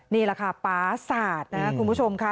นี่แหละค่ะป๊าสาดนะครับคุณผู้ชมค่ะ